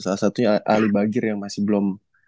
salah satunya ali bagir yang masih belum